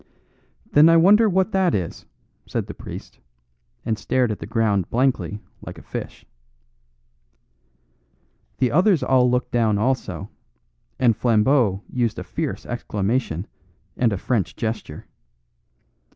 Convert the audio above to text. "Then I wonder what that is?" said the priest, and stared at the ground blankly like a fish. The others all looked down also; and Flambeau used a fierce exclamation and a French gesture.